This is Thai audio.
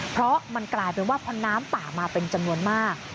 เพราะมันกลายเป็นว่าพอน้ำป่ามาเป็นจำนวนมาก